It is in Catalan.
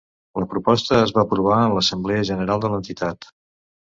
La proposta es va aprovar en l'assemblea general de l'entitat